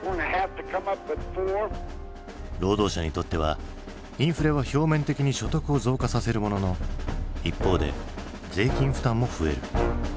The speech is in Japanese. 労働者にとってはインフレは表面的に所得を増加させるものの一方で税金負担も増える。